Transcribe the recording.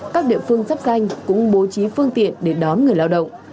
các địa phương sắp danh cũng bố trí phương tiện để đón người lao động